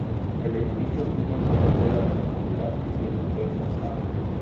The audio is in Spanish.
El edificio ocupa una parcela rectangular y tiene dos fachadas.